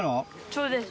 そうです。